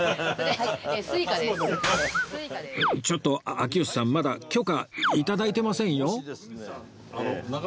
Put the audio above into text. ちょっと秋吉さんまだ許可頂いてませんよ